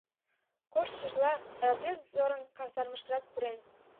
Коштшыжла разведвзводын казармышкыжат пурен.